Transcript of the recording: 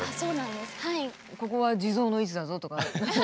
ここは地蔵の位置だぞとか。